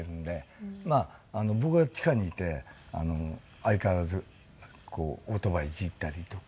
まあ僕は地下にいて相変わらずこうオートバイいじったりとか。